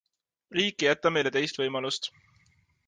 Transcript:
Riik ei jäta meile teist võimalust.